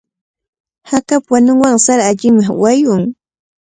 Hakapa wanunwanqa sara allimi wayun.